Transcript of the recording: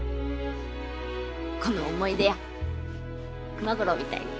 この思い出やくま吾郎みたいに。